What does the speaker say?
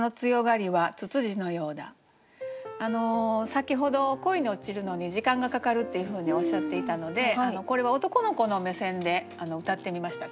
先ほど恋に落ちるのに時間がかかるっていうふうにおっしゃっていたのでこれは男の子の目線でうたってみました。